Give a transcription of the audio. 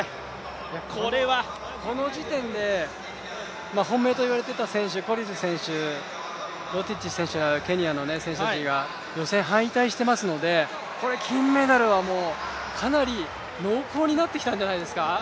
この時点で本命といわれてた選手、コリル選手、ロティッチ選手、ケニアの選手が予選敗退していますので、これ金メダルはかなり濃厚になってきてるんじゃないですか。